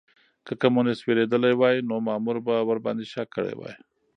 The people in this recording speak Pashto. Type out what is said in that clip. که کمونيسټ وېرېدلی وای نو مامور به ورباندې شک کړی وای.